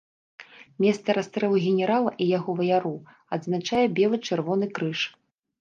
Месца расстрэлу генерала і яго ваяроў адзначае бела-чырвоны крыж.